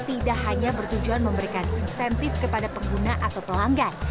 tidak hanya bertujuan memberikan insentif kepada pengguna atau pelanggan